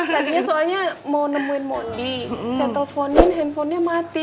tadinya soalnya mau nemuin mondi saya teleponin handphonenya mati